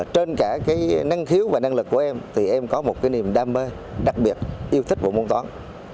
trên cả cái năng khiếu và năng lực của em thì em có một cái niềm đam mê đặc biệt yêu thích về môn toán